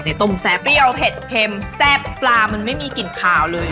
ต้มแซ่เปรี้ยวเผ็ดเค็มแซ่บปลามันไม่มีกลิ่นขาวเลย